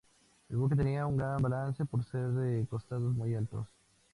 El buque tenía un gran balance por ser de costados muy altos.